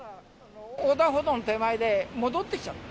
横断歩道の手前で戻ってきちゃった。